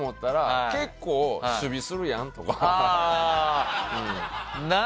結構、守備するやんとか。